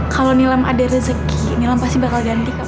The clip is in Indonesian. kalau nilam ada rezeki nilam pasti bakal ganti